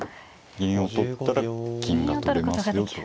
銀を取ったら金が取れますよと。